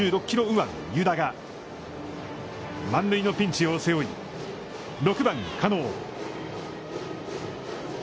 右腕湯田が満塁のピンチを背負い、６番狩野。